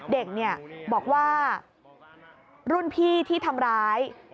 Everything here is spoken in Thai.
เด็กบอกว่ารุ่นพี่ที่ทำร้าย